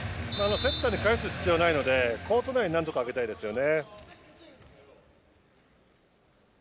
セッターに返す必要はないのでコート内になんとか上げたいですよね。